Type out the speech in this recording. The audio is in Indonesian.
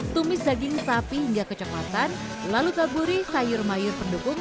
tumis daging sapi hingga kecoklatan lalu taburi sayur mayur pendukung